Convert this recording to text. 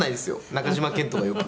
「中島健人がよく」